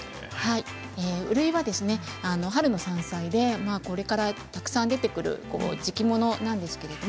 うるいは春の山菜でこれから、たくさん出てくる時期ものなんです。